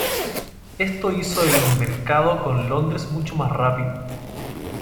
Esto hizo el mercado con Londres mucho más rápido.